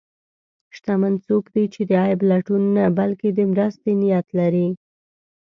شتمن څوک دی چې د عیب لټون نه، بلکې د مرستې نیت لري.